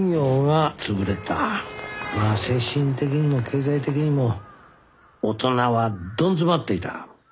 まあ精神的にも経済的にも大人はドン詰まっていた。